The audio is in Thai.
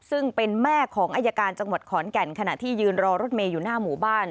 ซึ่งเป็นแม่ของอายการจังหวัดขอนแก่นขณะที่ยืนรอรถเมย์อยู่หน้าหมู่บ้าน